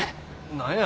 何や？